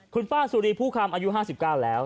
คุณป้าสุรีผู้คำอายุ๕๙แล้ว